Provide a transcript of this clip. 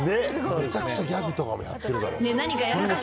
めちゃくちゃギャグとかもやってるだろうし。